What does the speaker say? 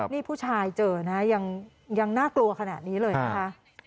นี่ผู้ชายเจอนะยังน่ากลัวขนาดนี้เลยนะคะ